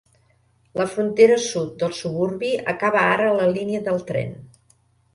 La frontera sud del suburbi acaba ara a la línia del tren.